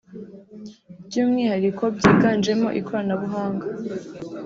by’umwihariko byiganjemo ikoranabuhanga